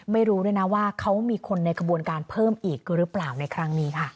ไม่รู้ด้วยนะว่าเขามีคนในกระบวนการเพิ่มอีกหรือเปล่าในครั้งนี้ค่ะ